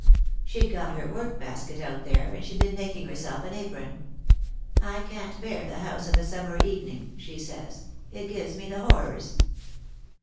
She'd got her work basket out there, and she'd been making herself an apron. 'I can't bear the house of a summer evening,' she says, 'it gives me the horrors.'